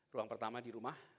ruang pertama di rumah